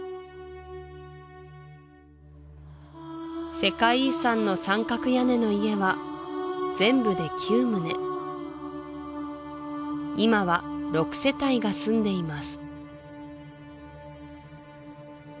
世界遺産の三角屋根の家は全部で９棟今は６世帯が住んでいます